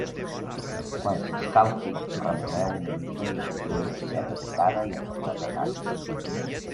Quan s'escalfi, remeneu-ho una mica i afegiu-hi la ceba picada i el pebrot a talls.